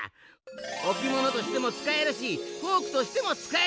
おきものとしてもつかえるしフォークとしてもつかえる。